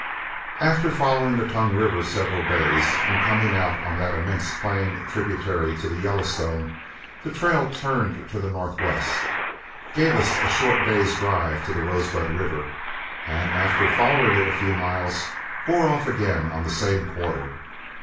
After following the Tongue River several days and coming out on that immense plain tributary to the Yellowstone, the trail turned to the northwest, gave us a short day's drive to the Rosebud River, and after following it a few miles, bore off again on the same quarter.